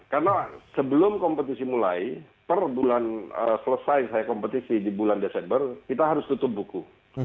karena sebelum kompetisi mulai per bulan selesai saya kompetisi di bulan desember kita harus tutup buku